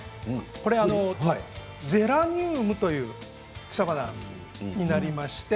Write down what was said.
ゼラニウムという草花になります。